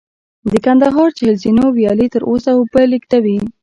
د کندهار چل زینو ویالې تر اوسه اوبه لېږدوي